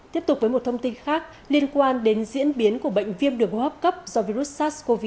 tiếp tục với một thông tin khác liên quan đến diễn biến của bệnh viêm đường hô hấp cấp do virus sars cov hai